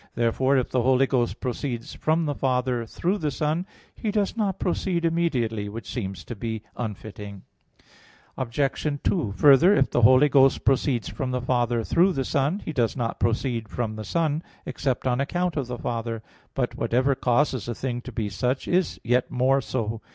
Therefore, if the Holy Ghost proceeds from the Father through the Son, He does not proceed immediately; which seems to be unfitting. Obj. 2: Further, if the Holy Ghost proceeds from the Father through the Son, He does not proceed from the Son, except on account of the Father. But "whatever causes a thing to be such is yet more so."